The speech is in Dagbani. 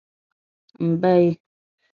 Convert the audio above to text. M baya.